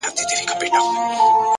وخت د غفلت زیان نه پټوي.!